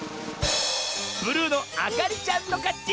ブルーのあかりちゃんのかち！